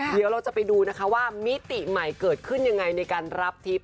เดี๋ยวเราจะไปดูนะคะว่ามิติใหม่เกิดขึ้นยังไงในการรับทิพย